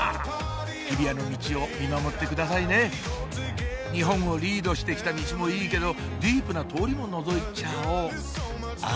日比谷のミチを見守ってくださいね日本をリードしてきたミチもいいけどディープな通りものぞいちゃおうあ